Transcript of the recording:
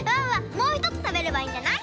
もうひとつたべればいいんじゃない？